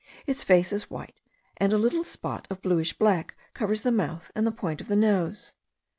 Its face is white; and a little spot of bluish black covers the mouth and the point of the nose.